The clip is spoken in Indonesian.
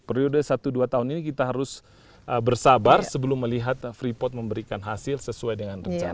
periode satu dua tahun ini kita harus bersabar sebelum melihat freeport memberikan hasil sesuai dengan rencana